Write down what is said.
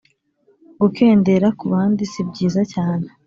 gukendera kubandi sibyiza cyane